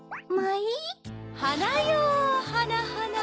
はなよはなはな